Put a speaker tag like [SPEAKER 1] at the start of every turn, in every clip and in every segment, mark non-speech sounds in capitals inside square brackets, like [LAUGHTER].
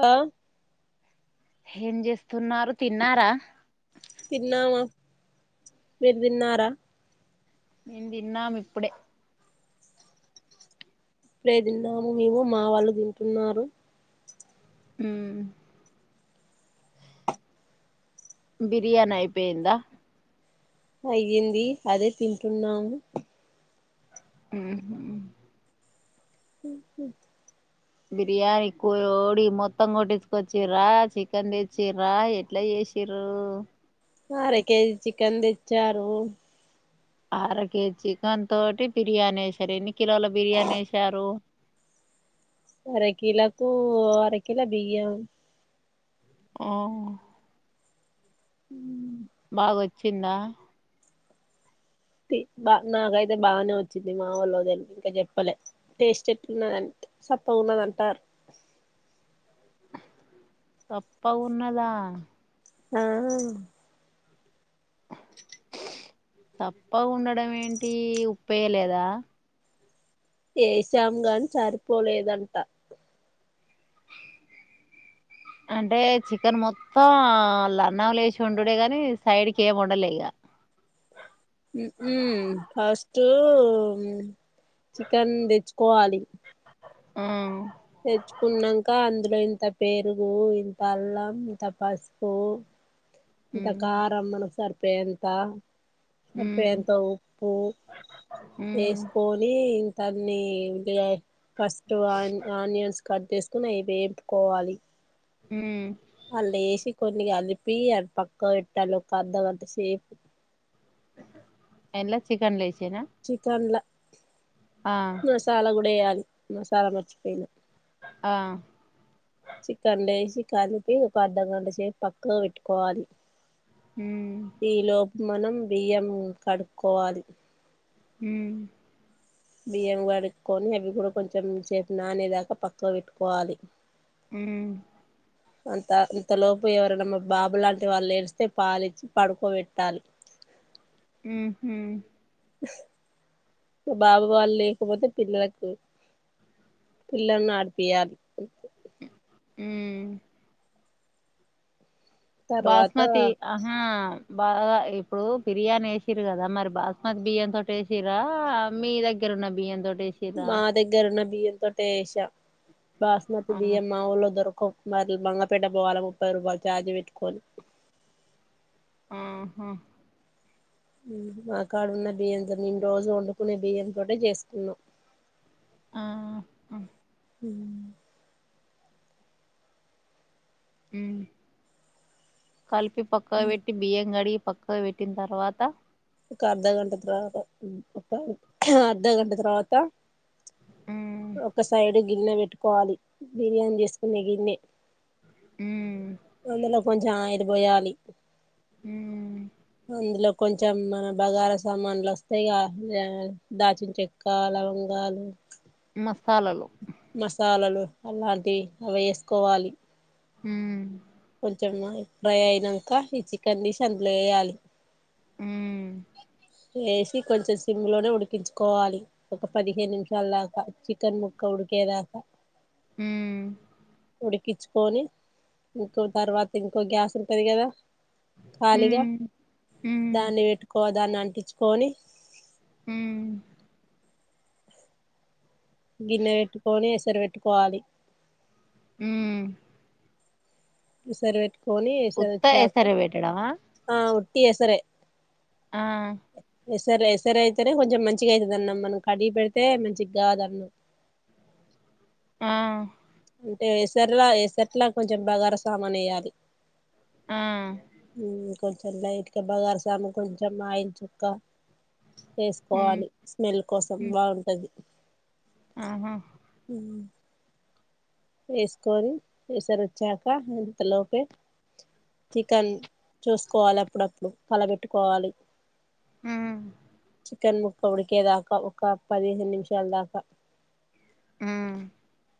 [SPEAKER 1] హా
[SPEAKER 2] హేం జేస్తున్నారు తిన్నారా
[SPEAKER 1] తిన్నాము మీరు తిన్నారా
[SPEAKER 2] మేం తిన్నాము ఇప్పుడే
[SPEAKER 1] ఇప్పుడే తిన్నాము మేము మా వాళ్ళు తింటున్నారు
[SPEAKER 2] ఉమ్ బిర్యానీ అయిపేయింద
[SPEAKER 1] అయ్యింది అదే తింటున్నాము
[SPEAKER 2] మ్మ్ హ్మ్
[SPEAKER 1] హా హా
[SPEAKER 2] బిర్యానీ కోడి మొత్తం కొట్టించుకొచ్చరా చికెన్ తెచ్చరా ఎట్లా చేసిర్రూ
[SPEAKER 1] అర కేజీ చికెన్ తెచ్చారు
[SPEAKER 2] అర కేజీ చికెన్ తోటి బిర్యానీ సరిని కిలోల బిర్యానీ వేసారు
[SPEAKER 1] అరకిలోకు అరకిలో బియ్యం
[SPEAKER 2] ఓ
[SPEAKER 1] ఉ
[SPEAKER 2] బాగొచ్చిందా
[SPEAKER 1] బా నాకైతే బాగానే వచ్చింది మా వాళ్ళదిలి ఇంకా చెప్పలే టేస్ట్ ఎట్లున్నదంటే సప్ప ఉన్నద అంటారు
[SPEAKER 2] సప్ప గ ఉన్నదా
[SPEAKER 1] ఆ
[SPEAKER 2] తప్ప ఉండడం ఏంటి ఉప్పేయ లేదా
[SPEAKER 1] వేసాం గా ని సరిపోలేదంట
[SPEAKER 2] అంటే చికెన్ మొత్తం లన్న లేచి వండుడే గాని సైడ్కి ఏము వండలే ఇగ
[SPEAKER 1] ఫస్ట్ చికెన్ తెచ్చుకోవాలి
[SPEAKER 2] ఆ
[SPEAKER 1] తెచ్చుకున్నాక అందులో ఇంత పేరుగు ఇంత అల్లం ఇంత పసుపు ఇంత
[SPEAKER 2] ఉమ్
[SPEAKER 1] కారం మనక్ సర్ పేన్ త
[SPEAKER 2] ఉమ్
[SPEAKER 1] సరిపోయేంత ఉప్పు
[SPEAKER 2] ఉమ్
[SPEAKER 1] వేసుకొని ఇన్ తన్ని గ్లే ఫస్ట్ వన్ ఆనియన్స్ కట్ చేసుకుని అయ్ వేంపుకోవాలి
[SPEAKER 2] ఉమ్
[SPEAKER 1] అళ్ళు వేసి కొన్ని కలిపి అవి పక్క పెట్టాలి ఒక అర్ధ గంట సేపు
[SPEAKER 2] ఎన్ల చికన్ లేస్
[SPEAKER 1] చికన్లా
[SPEAKER 2] ఆ
[SPEAKER 1] మసాలా కూడా వేయాలి మసాలా మరిచిపోయినా
[SPEAKER 2] ఆ
[SPEAKER 1] చికన్ లేసి కలిపి ఒక అర్ధగంట సేపు పక్క పెట్టుకోవాలి
[SPEAKER 2] ఉమ్
[SPEAKER 1] ఈ లోపు మనం బియ్యం కడుకోవాలి
[SPEAKER 2] ఉమ్
[SPEAKER 1] బియ్యం కడుక్కో ని అవి కూడా కొంచెం సేపు నానే దాకా పక్క పెట్టుకోవాలి
[SPEAKER 2] ఉమ్
[SPEAKER 1] అంత ఇంతలోపు ఎవరైనా మా బాబు లాంటి వాళ్ళు ఏడిస్తే పాలిచ్చి పడుకోబెట్టాలి
[SPEAKER 2] ఉంహు
[SPEAKER 1] బాబు వాళ్ళు లేకపోతే పిల్లలకు పిల్లలను ఆడిపియాలిే
[SPEAKER 2] ఉమ్
[SPEAKER 1] తర్వాత
[SPEAKER 2] బాస్మతి ఆహా బాగా ఇప్పుడు బిర్యానీ వేసిరు కదా మరి బాస్మతి బియ్యం తోటి వేసిరా మీ దగ్గర ఉన్న బియ్యం తో
[SPEAKER 1] మా దగ్గరున్న బియ్యాం తొటేష బాస్మతి
[SPEAKER 2] ఆ
[SPEAKER 1] బియమ్ మా ఉలో దొరక్ కవ్ మరి బంగపేట పోవాలి ముప్పై రూపాయలు ఛార్జ్ పెట్టుకోని
[SPEAKER 2] ఆహా
[SPEAKER 1] ఉమ్ మా కాడున్న బియ్యంతో నేను రోజు వండుకునే బియ్యంతోటె చేసుకున్నామ్
[SPEAKER 2] ఆ అ
[SPEAKER 1] హ
[SPEAKER 2] అ కలిపి పక్కా పెట్టి బియ్యంగడి పక్క పెట్టిన తర్వాత
[SPEAKER 1] ఒక అర్ధఘంటా తరవాత ఒక అర్ధఘంటా తర్వాత
[SPEAKER 2] ఉమ్
[SPEAKER 1] ఒక సైడ్ గిన్నె పెట్టుకోవాలి బిర్యానీ చేసుకునే గిన్నె
[SPEAKER 2] ఉమ్
[SPEAKER 1] అందలో కొంచం ఆ అది పోయాలి
[SPEAKER 2] ఉమ్
[SPEAKER 1] అందులో చెం మన బగార సామాన్లు వస్తాయి ఆ దాచిన చెక్క, లవంగాలు
[SPEAKER 2] మసాలాలు
[SPEAKER 1] మసాలాలు అలాంటి అవి వేసుకోవాలి
[SPEAKER 2] హ్మ్
[SPEAKER 1] కొంచెం ఫ్రై అయినంక ఈ చికెన్ని తీశి అందులో వేయాలి
[SPEAKER 2] అ
[SPEAKER 1] వేసి కొంచెం సిమ్ లోనే ఉడికించుకోవాలి ఒక పదిహేను నిమిషాల దాకా చికెన్ ముక్క ఉడికేదాకా
[SPEAKER 2] హ్మ్
[SPEAKER 1] ఉడికిచుకొని ఇంకో తర్వాత ఇంకో గ్యాస్ ఉంటుది కదా ఖాళీగా
[SPEAKER 2] హ్మ్ హ్మ్
[SPEAKER 1] దాన్ని పెట్టుకో దాన్నీ అం ఇ చ్చుకొని
[SPEAKER 2] మ్
[SPEAKER 1] గిన్నే బెట్టుకొని ఎసరు పేట్టుకోవాలి.
[SPEAKER 2] ము
[SPEAKER 1] ఈసారి పెట్టు కోని
[SPEAKER 2] ఉత్త
[SPEAKER 1] ఎసారోచాక
[SPEAKER 2] ఎసరు పెట్టడమా
[SPEAKER 1] ఆ ఉత్తి ఎసరే
[SPEAKER 2] ఆ
[SPEAKER 1] ఎస్సర్ ఎస్సర్ అయితేనే కొంచెం మంచిగా అయి తది అన్నం మనం కడిగి పెడితే మంచిగా కాదన్నం
[SPEAKER 2] ఆ
[SPEAKER 1] అంటే ఎసర్లా ఎసట్ల లా కొంచెం బగార సామాన్ వేయ్యాలి
[SPEAKER 2] అ
[SPEAKER 1] కొంచం లైట్గా బగార సమాన్, కొంచం అయిల్ చుక్క
[SPEAKER 2] హ్మ్
[SPEAKER 1] వేసుకోవాలి, స్మెల్ కోసం
[SPEAKER 2] హ్మ్
[SPEAKER 1] బాగుంటది.
[SPEAKER 2] ఆహా
[SPEAKER 1] ఉ వేసుకొని, ఎసరోచ్చాక ఇంతలోపే చికెన్ చూసుకోవాలి అప్పుడప్పుడు కల బెట్టుకోవాలి.
[SPEAKER 2] ఆ
[SPEAKER 1] చికెన్ ముక్క ఉడికేదాకా ఒక పదిహేను నిమిషాల్ దాకా
[SPEAKER 2] మ్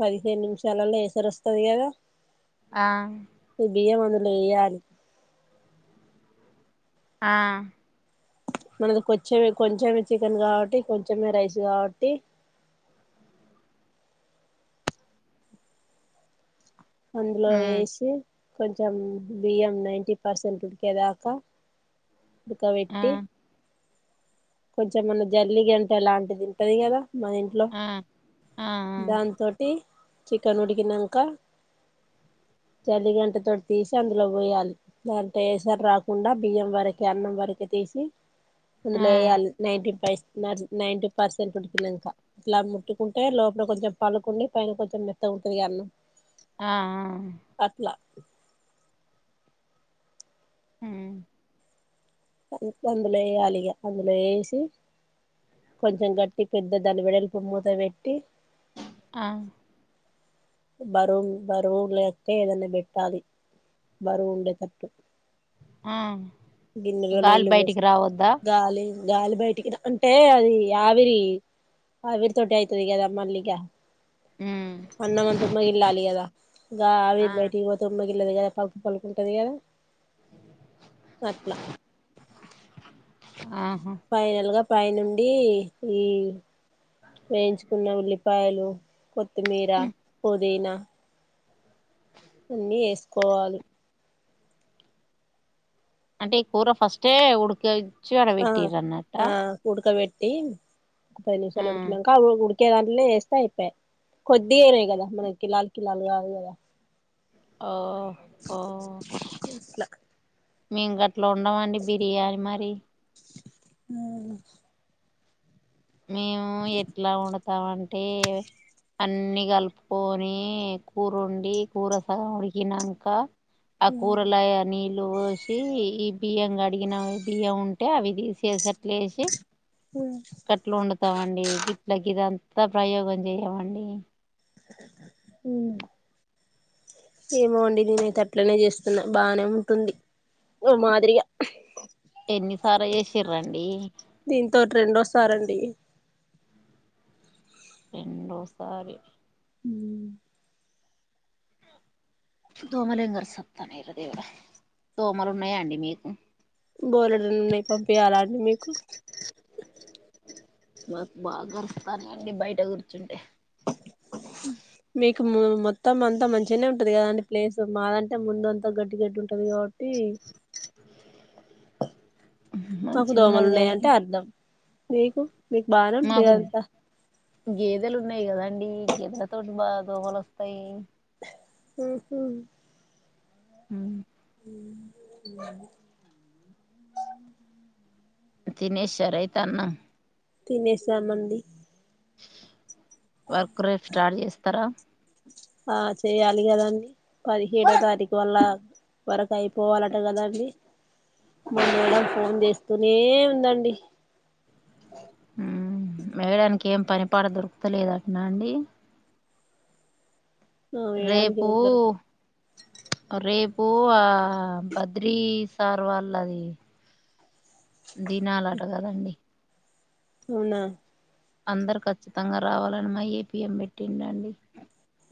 [SPEAKER 1] పదిహేను నిమిషం చాలల్లో ఎసరోస్తది గదా
[SPEAKER 2] ఆ
[SPEAKER 1] బియ్యం అందులో ఎయాలి
[SPEAKER 2] ఆ
[SPEAKER 1] మనది కొచ్చమే కొంచమే చికెన్ గాబట్టి కొంచెమే రైస్ గాబట్టి అందులో
[SPEAKER 2] హ్మ్
[SPEAKER 1] వేషి కొంచం బియ్యం నైన్టి పర్సెంట్ ఉడికేదాక
[SPEAKER 2] ఆ
[SPEAKER 1] ఉడ్కవెట్టి కొంచెం మన జల్లిగంటే అలాంటిదుంటది గదా మన ఇంట్లొ
[SPEAKER 2] ఆ ఆ
[SPEAKER 1] దాన్ తోటి చికెన్ ఉడ్కినంక జల్లిగంటతోటి తీశి అందులో పోయాలి అంటె ఏసరు రాకుండా బియ్యం వరకె అన్నం వరకె తీసి
[SPEAKER 2] ఆ
[SPEAKER 1] అంద్లు ఎయ్యాల్ నైంటి పైస్ నర్స్ నైంటీ పర్సెంట్ ఉడ్కినంక ఇట్ల ముట్టుకుంటే లోపల కొంచెం పలుకుండి పైన కొంచెం మెత్తగా ఉంటది గ అన్నం
[SPEAKER 2] ఆ అ
[SPEAKER 1] అట్లా
[SPEAKER 2] ఉమ్
[SPEAKER 1] అందులో ఎయ్యాలిగ అందులో ఎశి కొంచం గట్టి పెద్ద దాని వెడల్పు మూతవేట్టి
[SPEAKER 2] అ
[SPEAKER 1] బరువు బరువు లేకుంటే ఏదన్న పెట్టాలి బరువు ఉండేటట్టు
[SPEAKER 2] ఆ
[SPEAKER 1] గిన్నల
[SPEAKER 2] గాలి
[SPEAKER 1] నీళ్ళు
[SPEAKER 2] బయటికి
[SPEAKER 1] పోస్కో
[SPEAKER 2] రావద్దా
[SPEAKER 1] గాలి గాలి బయటికి అంటే అదీ ఆవిరి ఆవిరి తోటి ఐతది గదా మళ్ళీక
[SPEAKER 2] హ్మ్
[SPEAKER 1] అన్నమంత ఉమ్మగిల్లాలి గదా ఇగ
[SPEAKER 2] ఆ
[SPEAKER 1] ఆవిరి బయటికి పోతె ఉమ్మగి ఎల్లదు గదా పలుకు పలుకుంటది గదా
[SPEAKER 2] [INAUDIBLE]
[SPEAKER 1] అట్ల
[SPEAKER 2] ఆహా
[SPEAKER 1] పైనుండీ ఈ వేయించుకున్న ఉళ్ళిప్ పాయ్లు కొత్తిమీర, పుదీన అన్నీ ఎస్కోవాలి
[SPEAKER 2] అంటె ఈ కూర ఫస్టే ఉడిక చ్చి ఆడ వెట్టిరన్నట్ట
[SPEAKER 1] ట్టీ ఒ పది నిమిషాలు ఉడ్కినంక అవువు క్కే దాంట్లేనే ఎస్తే ఐపయే కొద్దిగనె గద మనకిి కిలాలు కిలాలు కాదు గద
[SPEAKER 2] ఆ ఆ
[SPEAKER 1] అట్లా
[SPEAKER 2] మేం గ అట్లా ఉండవండి బిర్యాని మరి
[SPEAKER 1] హ్మ్
[SPEAKER 2] మేము ఎట్లా ఉండ తాంటే అన్నీ కలుపుకొని కూర వండి కూర సగం ఉడికినంక అ కూరలయ నిల్ నీళ్ళు పోసి ఈ బియ్యం కడిగిన బియ్యం ఉంటే అవి తీసేసి అట్లే ఏసి
[SPEAKER 1] హ్మ్
[SPEAKER 2] గట్ల వండుతామండి గిట్ల గిదంతా ప్రయోగం చేయమండి
[SPEAKER 1] హుం ఏమోండి నేనైతె అట్లనె చేస్తున్నా బానే ఉంటుంది ఓ మాదిరిగ
[SPEAKER 2] ఎన్నిసార్లు చేసిరండి
[SPEAKER 1] దీంతోటి రెండోసారండి
[SPEAKER 2] రెండోసారి దోమలేం గరుసత్తన్నయి రా దేవుడ దోమలు ఉన్నయండి మీకు
[SPEAKER 1] బోలెడనున్నాయి పంపియాల అండి మీకు
[SPEAKER 2] మాకు బాగ కరుత్తన్నాయండి బయట కూర్చుంటే
[SPEAKER 1] మీకు మొత్తం అంత మంచినె ఉంటది కదండి ప్లేస్ మాదంటె ముందు అంతా గడ్టి గడ్డి ఉంటది కా మాకు దోమలు
[SPEAKER 2] మంచిగున్నది
[SPEAKER 1] ఉన్నాయ
[SPEAKER 2] కానీ
[SPEAKER 1] అంట అర్ధం మీకు మీకు బానే ఉంటది
[SPEAKER 2] మాకు
[SPEAKER 1] కదంతా
[SPEAKER 2] గేదెలు ఉన్నాయి కద అండి గేదెలతోటి బాగా దోమలు వస్తాయి
[SPEAKER 1] హ్మ్ హు
[SPEAKER 2] హ్మ్
[SPEAKER 1] హ్మ్
[SPEAKER 2] తినేసి షారైతనం
[SPEAKER 1] తినేసా మండి
[SPEAKER 2] వర్క్ రేపు స్టార్ట్ చేస్తారా
[SPEAKER 1] ఆ చేయాలి కదండీ పదిహేడో తారీఖు వల్ల వర్క్ అయిపోవాలంట మళ్ళ మళ్ళ ఫోన్ చేస్తూనే ఉందండి
[SPEAKER 2] హ్మ్ మేడానికి ఇంకేం పనీపాట దొరుకుతలేదంటన్న అండి
[SPEAKER 1] ఆ వేయడానికి
[SPEAKER 2] రేపు
[SPEAKER 1] ఏం దొరక
[SPEAKER 2] రేపు ఆ బద్రీ సార్ వాళ్ళది దినాలట కదండి
[SPEAKER 1] అవునా
[SPEAKER 2] అందరు ఖచ్చితంగా రావాలని మా ఏపీఎం పెట్టిండండి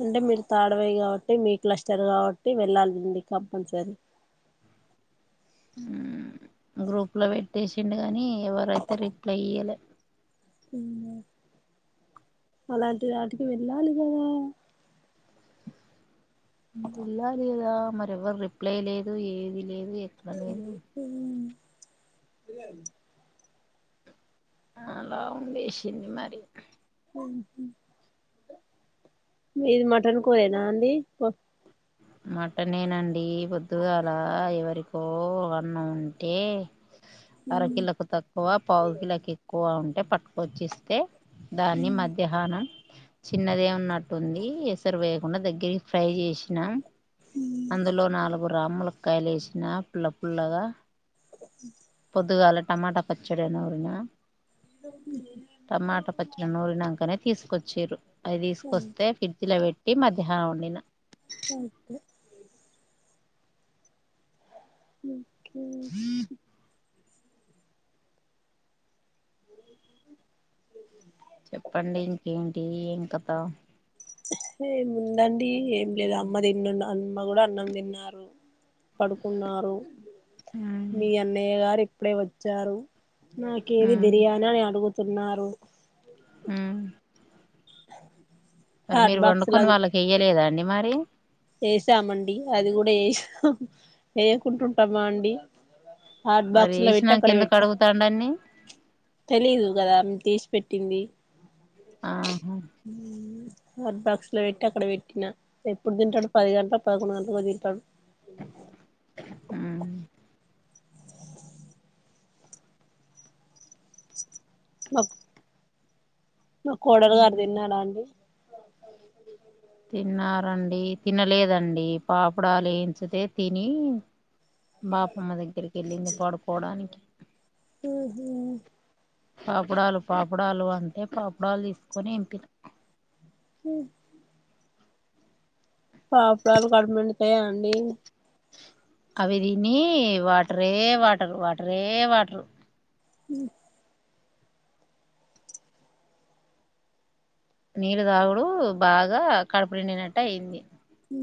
[SPEAKER 1] అంటే మీరు థర్డ్ వయ్ కాబట్టి మీ క్లస్టర్ కాబట్టి వెళ్ళాలి అండి కంపల్సరీ
[SPEAKER 2] హ్మ్ గ్రూప్లో పెట్టేసిండు కానీ ఎవరైతే రిప్లై ఇయ్యలే
[SPEAKER 1] హ్మ్ అలాంటి వాటికి వెళ్ళాలి కదా
[SPEAKER 2] వెళ్ళాలి కదా మరి ఎవ్వరు రిప్లై లేదు ఏది లేదు ఎక్కడ లేదు
[SPEAKER 1] మ్మ్
[SPEAKER 2] ఆ అలా ఉండేసింది మరి
[SPEAKER 1] మీది మటన్ కూరేనా అండి
[SPEAKER 2] మటనేనండి పొద్దుగాల ఎవరికో అన్న ఉంటే అరకిలోకు తక్కువ పావు కిలోకు ఎక్కువ ఉన్ అంటే పట్టుకొచ్చేస్తే దాన్ని మధ్యహానం చిన్నదే ఉన్నట్టుంది ఎసరు వేయకుండా దగ్గరికి ఫ్రై చేసి న అందులో నాలుగు రాములక్కాయలు వేసిన పుల్ల పల్లగా పొద్దుగాల టమాటా పచ్చడి నూరినా టమాటా పచ్చడి నూరినాంకనే తీసు కొచ్చేరు అవి తీసుకొస్తే ఫ్రిడ్జి ల పెట్ టి మధ్యాహ్నం వండిన
[SPEAKER 1] అయితే మ్మ్ మ్మ్
[SPEAKER 2] చెప్పండి ఇంకేంటి ఏంకథ
[SPEAKER 1] ఏముందండి ఏం లేదు అమ్మ తినున్న అన్న కూడా అన్నం తిన్నారు పడుకున్నారు
[SPEAKER 2] ఉమ్
[SPEAKER 1] మీ అన్నయ్య గారు అప్పుడే వచ్చారు నాకేది బిర్యాన అని అడుగు తిన్నారు
[SPEAKER 2] మ్మ్
[SPEAKER 1] అ
[SPEAKER 2] మరి మీరు వండుకొని వాళ్ళకి ఎయ్యలేదా అండి మరి
[SPEAKER 1] ఏసామండి అది కూడా ఏసం వేయకుంటుంటామా అండి హాట్
[SPEAKER 2] మరి
[SPEAKER 1] బాక్స్లా వెట్టి
[SPEAKER 2] వేసినాక
[SPEAKER 1] అక్కడ
[SPEAKER 2] ఎందుకు
[SPEAKER 1] వెట్టు
[SPEAKER 2] అడుగుతాండన్ని
[SPEAKER 1] తెలీదు కదా తీసి పెట్టింది
[SPEAKER 2] ఆహా
[SPEAKER 1] హాట్ బాక్స్ లో పెట్టి అక్కడ పెట్టిన ఎప్పుడు తింటాడు పది గంటల పదకొండు గంటలకో తింటాడు
[SPEAKER 2] మ్మ్
[SPEAKER 1] మప్ నా కోడలు గారు
[SPEAKER 2] ఉమ్
[SPEAKER 1] తిన్నారా అండి
[SPEAKER 2] తిన్నారండి తినలేదండి పాపుడాలు యేయించితే తిని బాపమ్మ దగ్గరికి వెళ్ళింది పడుపోవడానికి
[SPEAKER 1] హ్మ్
[SPEAKER 2] పాపుడాలు పాపుడాలు అంటే పాపుడాలు తీసుకొని ఎంపిన
[SPEAKER 1] హు పాపురాలు కడుపు నిండుతాయా అండి
[SPEAKER 2] అవి దీనీ వాటరే వాటరు వాటరే వాటరు
[SPEAKER 1] ఉ
[SPEAKER 2] నీళ్ళ తాగుడు బాగా కడుపు నిండినట్టు అయింది
[SPEAKER 1] హు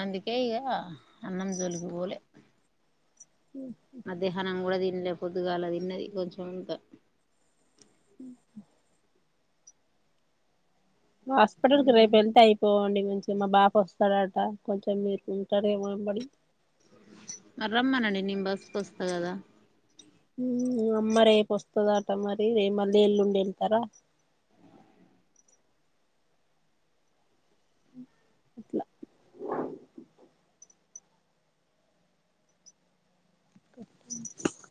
[SPEAKER 2] అందుకే ఇగ అన్నం జోలికి పోలే మధ్యాహ్నంగా కూడా తిన్ నినే పొద్దు గాల తిన్నాది కొంచం అంత
[SPEAKER 1] అ [UNINTELLIGIBLE] హాస్పిటల్ క్ రేప్ ఎల్ తే అయిపోవ్ అండ్ కొంచి మా బాప్ వస్తాడట కొంచెం మీరు ఉంటారు ఏమ్ బడి
[SPEAKER 2] మర్ రమ్మనండి నేన్ బస్ కోస్త గదా
[SPEAKER 1] హ్మ్ అమ్మ రేపు వస్తదట మరి రేప్ మళ్ళీ ఎల్లుండి ఎల్ తర అట్లా